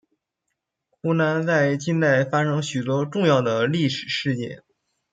湖南在近代发生许多重要的历史事件。